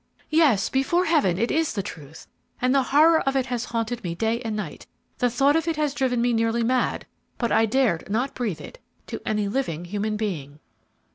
"Yes, before Heaven, it is the truth, and the horror of it has haunted me day and night; the thought of it has driven me nearly mad, but I dared not breathe it to any living human being."